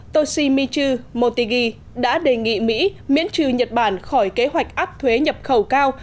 toshimitu motegi đã đề nghị mỹ miễn trừ nhật bản khỏi kế hoạch áp thuế nhập khẩu cao